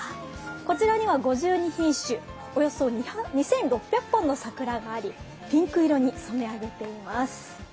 こちらには５２品種、およそ２６００本の桜があり、ピンク色に染め上げています。